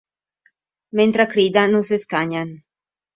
Mentre criden no s'escanyen.